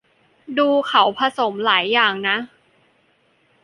ดูเขาก็ผสมหลายอย่างนะ